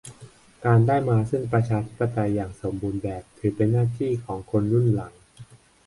การได้มาซึ่งประชาธิปไตยอย่างสมบูรณ์แบบถือเป็นหน้าที่ของคนรุ่นหลัง